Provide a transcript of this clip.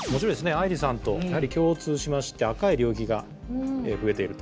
愛理さんと共通しまして赤い領域が増えていると。